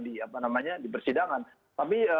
di apa namanya di persidangan tapi